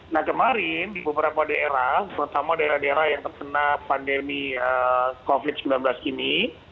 nah kemarin di beberapa daerah terutama daerah daerah yang terkena pandemi covid sembilan belas ini